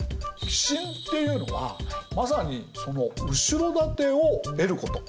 寄進っていうのはまさにその後ろ盾を得ること。